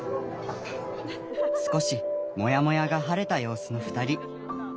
少しモヤモヤが晴れた様子の２人。